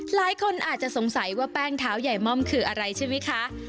หลายคนอาจจะสงสัยว่าแป้งเท้าใหญ่ม่อมคืออะไรใช่ไหมคะ